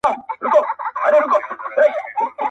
• هم چالاکه هم غښتلی هم هوښیار وو -